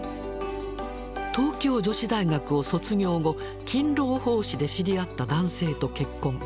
東京女子大学を卒業後勤労奉仕で知り合った男性と結婚。